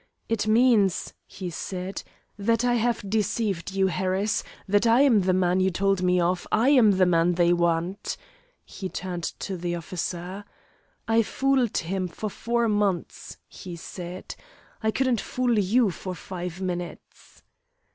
"It means," he said, "that I have deceived you, Harris that I am the man you told me of, I am the man they want." He turned to the officer. "I fooled him for four months," he said. "I couldn't fool you for five minutes."